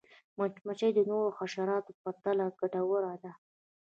مچمچۍ د نورو حشراتو په پرتله ګټوره ده